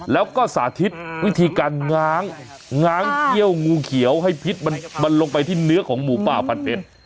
แล้วก็สาธิตวิธีการง้าง้างเขี้ยวงูเขียวให้พิษมันลงไปที่เนื้อของหมูป่าพันเพชร